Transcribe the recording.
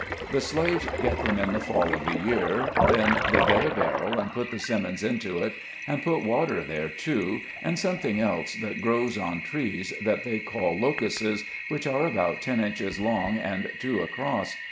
The slaves get them in the fall of the year, then they get a barrel and put the '•simmons" into it, and put water there too, and something else that grows on trees, that they call "locusses", which are about ten inches long, and two across.